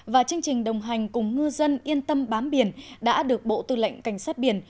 và chương trình đồng hành cùng ngư dân yên tâm bám biển đã được bộ tư lệnh cảnh sát biển